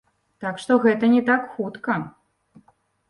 Так што гэта не так хутка.